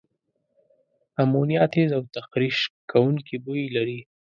امونیا تیز او تخریش کوونکي بوی لري.